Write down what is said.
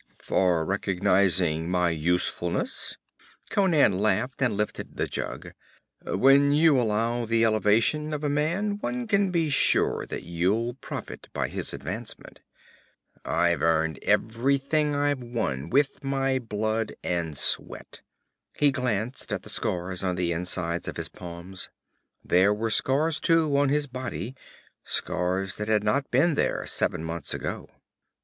'For recognizing my usefulness?' Conan laughed and lifted the jug. 'When you allow the elevation of a man, one can be sure that you'll profit by his advancement. I've earned everything I've won, with my blood and sweat.' He glanced at the scars on the insides of his palms. There were scars, too, on his body, scars that had not been there seven months ago.